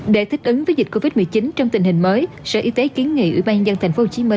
để thích ứng với dịch covid một mươi chín trong tình hình mới sở y tế kiến nghị ubnd tp hcm